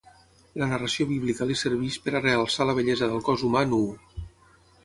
La narració bíblica li serveix per a realçar la bellesa del cos humà nuu.